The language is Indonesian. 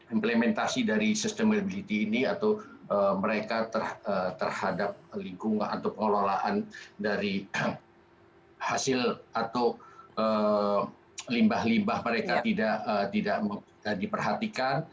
implementasi dari sustainability ini atau mereka terhadap lingkungan atau pengelolaan dari hasil atau limbah limbah mereka tidak diperhatikan